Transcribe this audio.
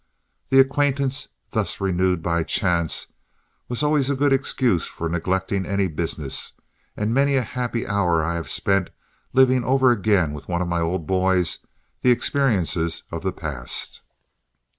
The acquaintance, thus renewed by chance, was always a good excuse for neglecting any business, and many a happy hour have I spent, living over again with one of my old boys the experiences of the past.